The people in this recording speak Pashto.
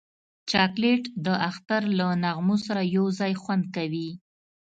چاکلېټ د اختر له نغمو سره یو ځای خوند کوي.